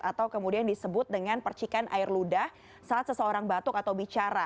atau kemudian disebut dengan percikan air ludah saat seseorang batuk atau bicara